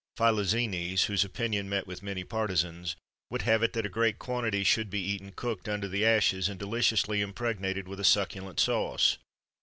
Philoxenes, whose opinion met with many partisans, would have it that a great quantity should be eaten cooked under the ashes, and deliciously impregnated with a succulent sauce.